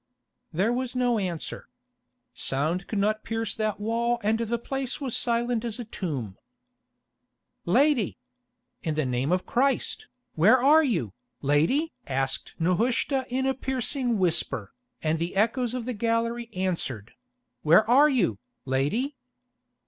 There was no answer. Sound could not pierce that wall and the place was silent as a tomb. "Lady! In the Name of Christ, where are you, lady?" asked Nehushta in a piercing whisper, and the echoes of the gallery answered—"Where are you, lady?"